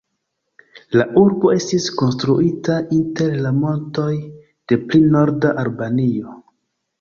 La urbo estis konstruita inter la montoj de pli norda Albanio.